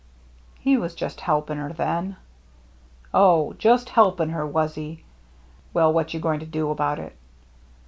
" He was just helping her then." " Oh, just helping her, was he ?"" Well, what you going to do about it